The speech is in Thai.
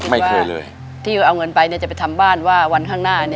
ไม่เคยเลยที่เอาเงินไปจะไปทำบ้านว่าวันข้างหน้า